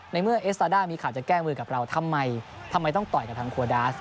ในเมื่อเอสตาด้ามีข่าวจะแก้มือกับเราทำไมต้องต่อยกับทางโคดาส